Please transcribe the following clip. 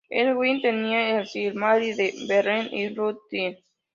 Elwing tenía el Silmaril de Beren y Lúthien.